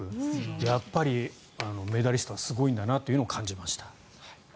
やっぱりメダリストはすごいんだなというのを感じました。